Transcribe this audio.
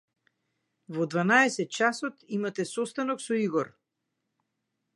Во дванаесет часот имате состанок со Игор.